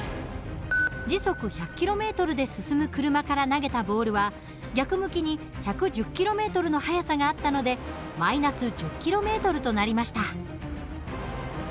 時速１００ｋｍで進む車から投げたボールは逆向きに１１０ｋｍの速さがあったので−１０ｋｍとなりました。